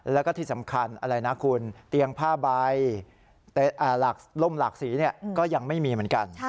แล้วก็ที่สำคัญอะไรนะคุณเตียงผ้าใบล่มหลากสีก็ยังไม่มีเหมือนกัน